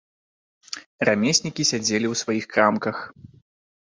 Рамеснікі сядзелі ў сваіх крамках.